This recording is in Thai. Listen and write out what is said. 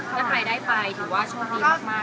ถ้าใครได้ไปถือว่าโชคดีมาก